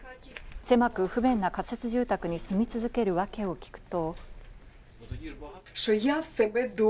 狭く不便な仮設住宅に住み続ける訳を聞くと。